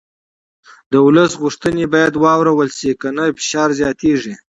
د ولس غوښتنې باید واورېدل شي که نه فشار زیاتېږي